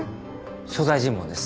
所在尋問です。